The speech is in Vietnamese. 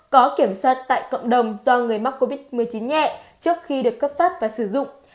có kiểm soát tại cộng đồng do người mắc covid một mươi chín nhẹ trước khi được cấp phát và sử dụng